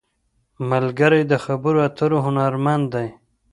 ملګری د خبرو اترو هنرمند دی